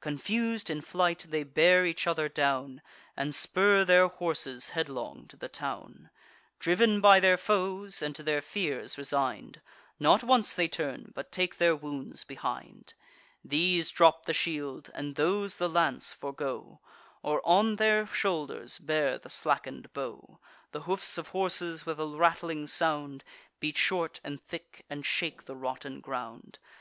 Confus'd in flight, they bear each other down, And spur their horses headlong to the town. Driv'n by their foes, and to their fears resign'd, Not once they turn, but take their wounds behind. These drop the shield, and those the lance forego, Or on their shoulders bear the slacken'd bow. The hoofs of horses, with a rattling sound, Beat short and thick, and shake the rotten ground.